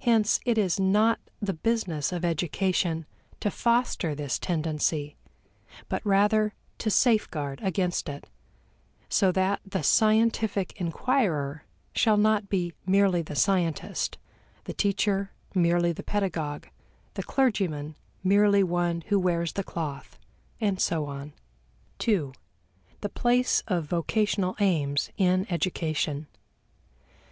Hence it is not the business of education to foster this tendency, but rather to safeguard against it, so that the scientific inquirer shall not be merely the scientist, the teacher merely the pedagogue, the clergyman merely one who wears the cloth, and so on. 2. The Place of Vocational Aims in Education.